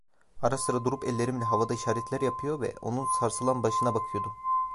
Ara sıra durup ellerimle havada işaretler yapıyor ve onun sarsılan başına bakıyordum.